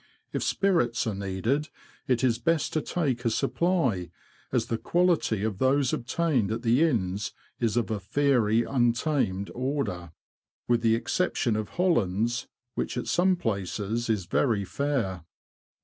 If spirits are needed, it is best to take a supply, as the quality of those obtained at the inns is of a ''fiery, untamed '^ order, with the ex ception of Hollands, which at some places is very fair.